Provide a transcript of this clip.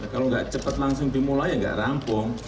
kalau enggak cepat langsung dimulai enggak rampung